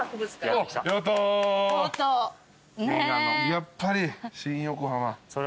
やっぱり新横浜。